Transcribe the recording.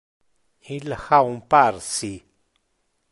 Il ha un par ci.